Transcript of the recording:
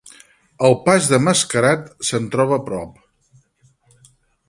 El pas del Mascarat se'n troba prop.